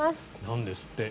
なんですって。